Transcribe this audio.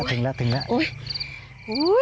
ถึงแล้ว